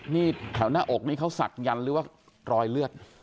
นี่แถวหน้าอกนี่เขาศักดันหรือว่ารอยเลือด